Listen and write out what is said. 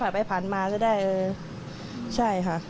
ขีดรถผ่านไปผ่านมาจะได้ใช่ค่ะ